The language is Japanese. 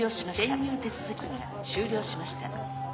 転入手続きが終了しました。